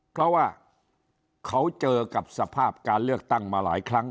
เพราะว่าเขาเจอกับสภาพการเลือกตั้งมาหลายครั้ง